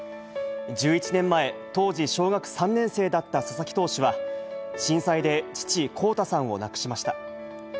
１１年前、当時小学３年生だった佐々木投手は、震災で父、功太さんを亡くしました。